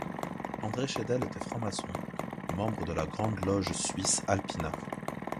André Chédel était franc-maçon, membre de la Grande Loge suisse Alpina.